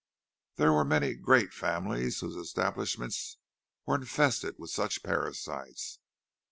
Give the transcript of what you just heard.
There were many great families whose establishments were infested with such parasites.